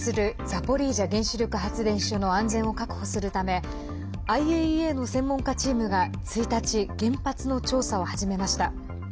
ザポリージャ原子力発電所の安全を確保するためＩＡＥＡの専門家チームが１日原発の調査を始めました。